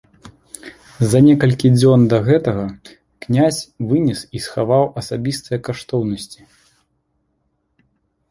За некалькі дзён да гэтага князь вынес і схаваў асабістыя каштоўнасці.